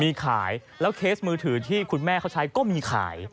มีขายแล้วเคสมือถือที่คุณแม่เขาใช้ก็มีขาย